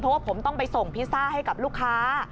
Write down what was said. เพราะว่าผมต้องไปส่งพิซซ่าให้กับลูกค้า